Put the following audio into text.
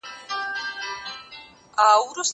زه به سبا د ښوونځی لپاره امادګي ونيسم!!